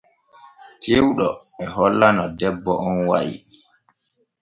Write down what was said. Cewɗo e holla no debbo on wa’i.